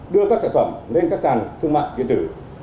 đưa các sản phẩm lên các sàn thương mại điện tử